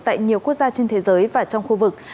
tại nhiều quốc gia trên thế giới và trong khu vực